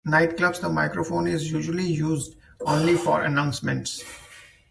In nightclubs the microphone is usually used only for announcements.